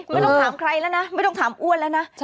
ไม่ต้องถามใครแล้วนะไม่ต้องถามอ้วนแล้วนะ